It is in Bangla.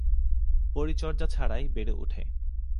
পরিচর্যা ছাড়াই বেড়ে ওঠে।